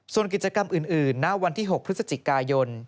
ส่วนกิจกรรมอื่นณวันที่๖พฤศจิกายน